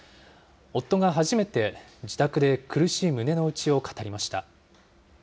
夫が初めて自宅で苦しい胸の内を語りました。